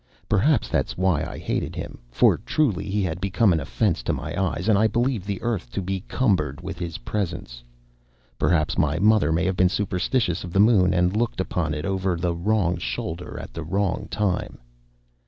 Perhaps that is why I hated him, for truly he had become an offense to my eyes, and I believed the earth to be cumbered with his presence. Perhaps my mother may have been superstitious of the moon and looked upon it over the wrong shoulder at the wrong time.